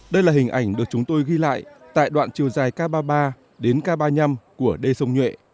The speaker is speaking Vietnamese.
đây là hình ảnh được chúng tôi ghi lại tại đoạn chiều dài k ba mươi ba đến k ba mươi năm của đê sông nhuệ